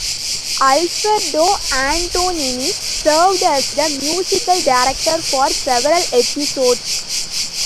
Alfredo Antonini served as the musical director for several epsiodes.